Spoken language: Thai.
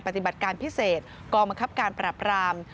ปฏิบัติการพิเศษกองบังคับการปรับราม